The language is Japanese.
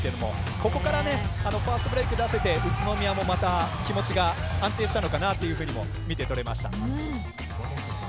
ここからファストブレーク出せて宇都宮もまた気持ちが安定したのかなというふうにも見て取れました。